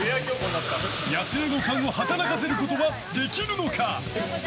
野生の勘を働かせることはできるのか？